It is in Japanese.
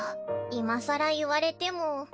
今更言われても。